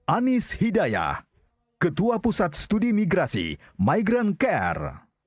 anies hidayah ketua pusat studi migrasi migrant care